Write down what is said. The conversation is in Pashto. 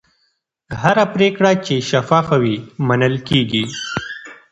هره پرېکړه چې شفافه وي، منل کېږي.